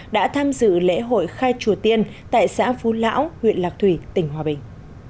đã tham dự lễ hội khai chùa tiên tại xã phú lão huyện lạc thủy tỉnh hòa bình